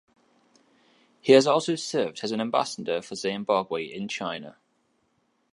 He has also served as an ambassador for Zimbabwe in China.